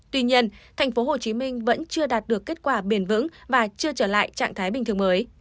tuy nhiên tp hcm vẫn chưa đạt được kết quả bền vững và chưa trở lại trạng thái bình thường